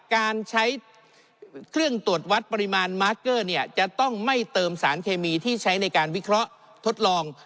การใช้เครื่องตรวจวัดปริมาณมาร์เกอร์เนี่ยจะต้องไม่เติมสารเคมีที่ใช้ในการวิเคราะห์ทดลอง